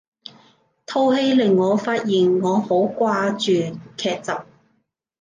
套戲令我發現我好掛住劇集